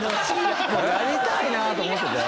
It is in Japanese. やりたいなと思ってて。